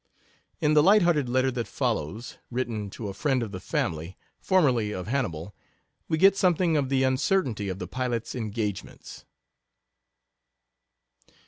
In the light hearted letter that follows written to a friend of the family, formerly of Hannibal we get something of the uncertainty of the pilot's engagements.